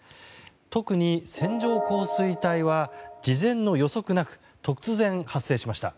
特に、線状降水帯は事前の予測なく突然発生しました。